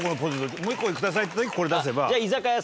もう一個くださいって時にこれ出せば。